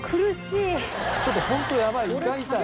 ちょっとホントやばい胃が痛い。